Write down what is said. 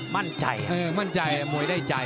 มั่นใจมั่นใจมวยได้ใจ